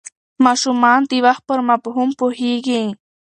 ماشومان د وخت پر مفهوم پوهېږي.